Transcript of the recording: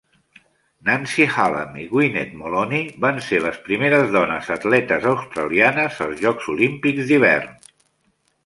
Nancy Hallam i Gweneth Molony van ser les primeres dones atletes australianes als Jocs Olímpics d'hivern.